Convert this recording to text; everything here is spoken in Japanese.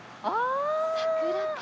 桜か！